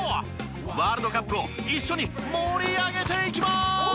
ワールドカップを一緒に盛り上げていきます！